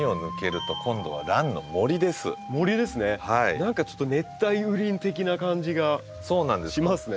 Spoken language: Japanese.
何かちょっと熱帯雨林的な感じがしますね。